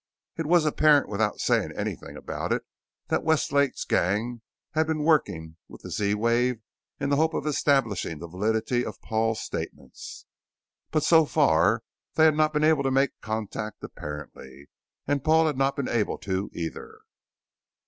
It was apparent without saying anything about it that Westlake's gang had been working with the Z wave in the hope of establishing the validity of Paul's statements. But so far, they had not been able to make contact apparently, and Paul had not been able to, either.